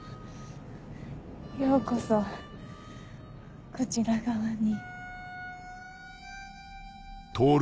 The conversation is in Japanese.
ようこそこちら側に。